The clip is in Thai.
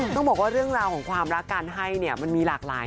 ต้องบอกว่าเรื่องราวของความรักการให้เนี่ยมันมีหลากหลาย